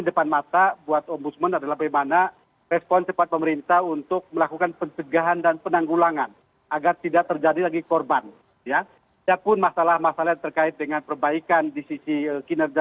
dengan perbaikan di sisi kinerja